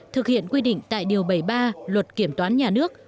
thực hiện quy định tại điều bảy mươi ba luật kiểm toán nhà nước